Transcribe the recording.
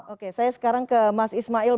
oke saya sekarang ke mas ismail